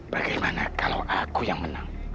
bagaimana kalau aku yang menang